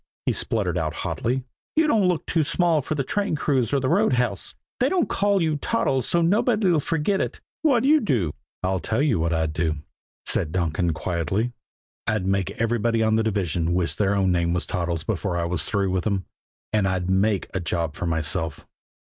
he spluttered out hotly. "You don't look too small for the train crews or the roundhouse, and they don't call you Toddles so's nobody'll forget it. What'd you do?" "I'll tell you what I'd do," said Donkin quietly. "I'd make everybody on the division wish their own name was Toddles before I was through with them, and I'd make a job for myself."